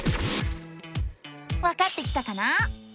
わかってきたかな？